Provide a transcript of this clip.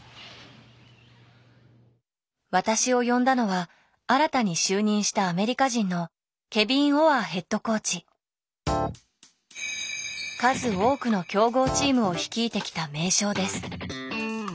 私を呼んだのは新たに就任したアメリカ人の数多くの強豪チームを率いてきた名将です。